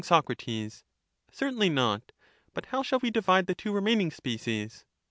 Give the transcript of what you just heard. Soc. Certainly not ; but how shall We^Sivide the two remaining species ?